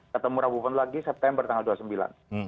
ketemu rabupon lagi september tanggal dua puluh sembilan